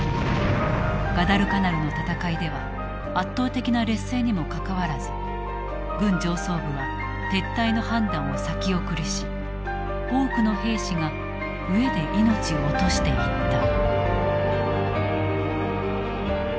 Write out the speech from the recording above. ガダルカナルの戦いでは圧倒的な劣勢にもかかわらず軍上層部は撤退の判断を先送りし多くの兵士が飢えで命を落としていった。